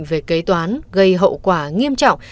về kế toán gây hậu quả nghiêm trọng